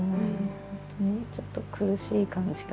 本当にちょっと苦しい感じが。